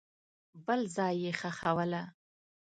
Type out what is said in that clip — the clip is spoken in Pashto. بل ځای یې ښخوله.